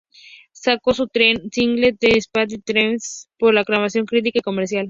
Sacó su tercer single, "The Special Two", por aclamación crítica y comercial.